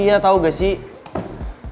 nih ya daripada lo ngeluhin kok